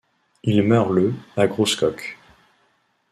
Il meurt le à Grosses-Coques.